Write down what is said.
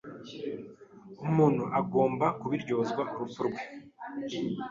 Umuntu agomba kubiryozwa urupfu rwe.